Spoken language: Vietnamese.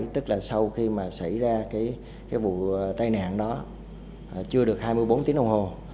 tức là sau khi mà xảy ra cái vụ tai nạn đó chưa được hai mươi bốn tiếng đồng hồ